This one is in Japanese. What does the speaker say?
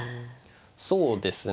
そうですね。